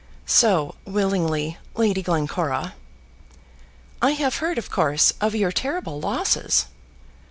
"So willingly, Lady Glencora!" "I have heard, of course, of your terrible losses."